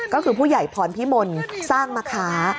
ก็คือผู้ใหญ่พรพิมลสร้างมะค้า